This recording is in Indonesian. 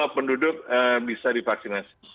penduduk bisa divaksinasi